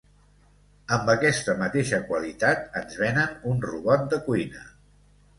Amb aquesta mateixa qualitat ens venen un robot de cuina.